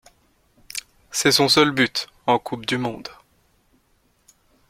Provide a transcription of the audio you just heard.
C'est son seul but en coupe du monde.